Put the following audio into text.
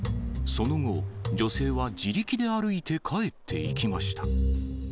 その後、女性は自力で歩いて帰っていきました。